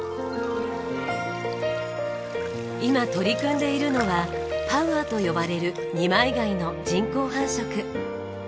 今取り組んでいるのはパウアと呼ばれる二枚貝の人工繁殖。